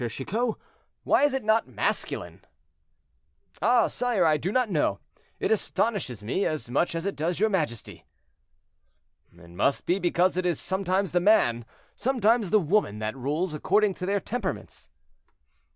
Chicot? Why is it not masculine?" "Ah, sire, I do not know; it astonishes me as much as it does your majesty." "It must be because it is sometimes the man, sometimes the woman that rules, according to their temperaments."